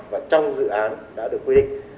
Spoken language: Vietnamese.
và trong dự án đã được quy định